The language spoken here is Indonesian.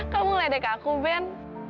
kamu ngeledek aku ben